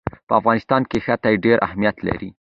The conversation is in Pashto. په افغانستان کې ښتې ډېر اهمیت لري.